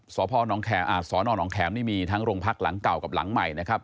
สพสนหนองแขมนี่มีทั้งโรงพักหลังเก่ากับหลังใหม่นะครับ